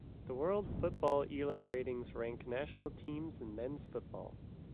The World Football Elo Ratings rank national teams in men's football.